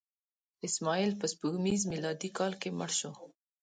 اسماعیل په سپوږمیز میلادي کال کې مړ شو.